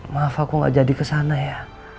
maaf aku gak jadi ke sana ya